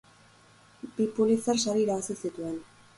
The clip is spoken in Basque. Bi Pulitzer sari irabazi zituen.